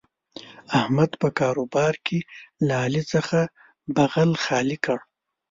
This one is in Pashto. احمد په کاروبار کې له علي څخه بغل خالي کړ.